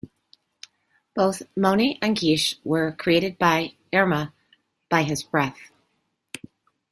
Both Moni and Gish were created by Imra by his breath.